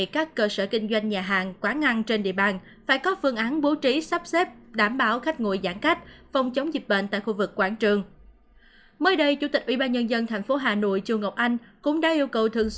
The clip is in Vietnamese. cơ sở kinh doanh dịch vụ ăn uống chỉ bán mang về từ một mươi hai h ngày một mươi chín tháng một mươi hai